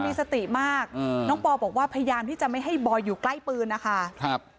มีสติมากอืมน้องปอบอกว่าพยายามที่จะไม่ให้บอยอยู่ใกล้ปืนนะคะครับ